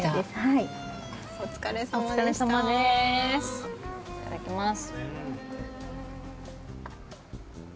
◆いただきます。